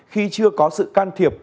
khi chưa có sự can thiệp